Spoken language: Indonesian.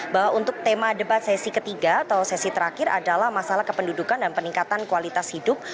bahwa untuk tema debat sesi ketiga atau sesi terakhir adalah masalah kependudukan dan peningkatan kualitas hidup